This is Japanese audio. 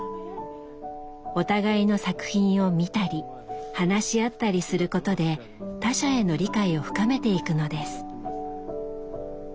お互いの作品を見たり話し合ったりすることで他者への理解を深めていくのです。